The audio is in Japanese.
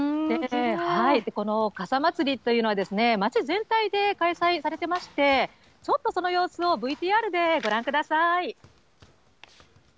この傘祭りというのは、街全体で開催されてまして、ちょっとその様子をＶＴＲでご覧ください。